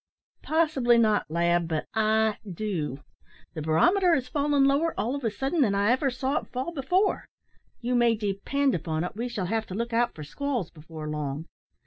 "Possibly not, lad; but I do. The barometer has fallen lower, all of a sadden, than I ever saw it fall before. You may depend upon it, we shall have to look out for squalls before long.